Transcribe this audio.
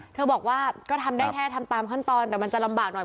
เธอบอกว่าก็ทำได้แค่ทำตามขั้นตอนแต่มันจะลำบากหน่อย